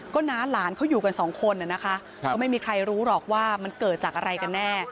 ก็น้าหลานเขาอยู่กันสองคนนะคะก็ไม่มีใครรู้หรอกว่ามันเกิดจากอะไรกันแน่